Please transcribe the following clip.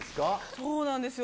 そうなんですよ。